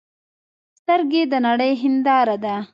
سترګې د نړۍ هنداره ده